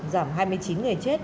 giảm hai mươi chín người chết